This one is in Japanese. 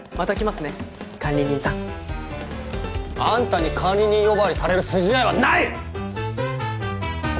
あんたに管理人呼ばわりされる筋合いはない！